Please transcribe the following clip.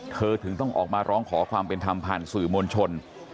เธอถึงต้องออกมาร้องขอความเป็นธรรมผ่านสื่อมวลชน